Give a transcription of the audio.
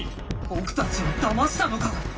ぼくたちをだましたのか？